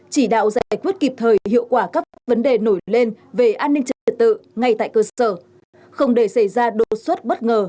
chỉ đạo giải quyết kịp thời hiệu quả các vấn đề nổi lên về an ninh